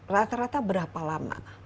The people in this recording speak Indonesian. rata rata berapa lama